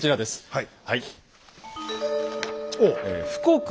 はい。